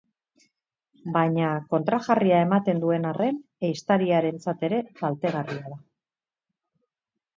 Baina kontrajarria ematen duen arren, ehiztarientzat ere kaltegarria da.